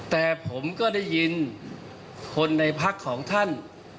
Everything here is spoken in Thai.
แต่ผมก็ได้ยินคนในพักของท่าน